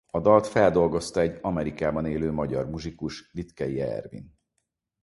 A dalt feldolgozta egy Amerikában élő magyar muzsikus Litkei Ervin